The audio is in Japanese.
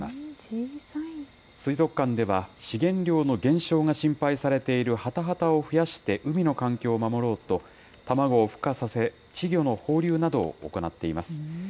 水族館では、資源量の減少が心配されているハタハタを増やして海の環境を守ろうと、卵をふ化させ、稚魚の放流などを行っています。